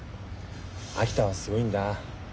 秋田はすごいんだ。